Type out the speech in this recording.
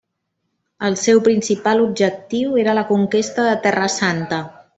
El seu principal objectiu era la conquesta de Terra Santa.